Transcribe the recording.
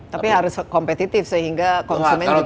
tapi harus kompetitif sehingga konsumen juga